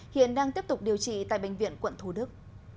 hiện đang tiếp tục điều trị tại bệnh viện quận thủ đức